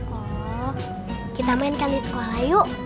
oh kita mainkan di sekolah yuk